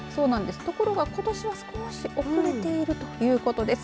ところがことしは少し遅れているということです。